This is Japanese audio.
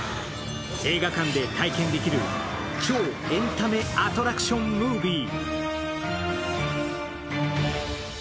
映画館で体験できる超エンタメアトラクションムービー。